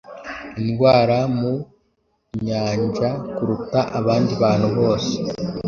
Indwara mu nyanjakuruta abandi bantu bose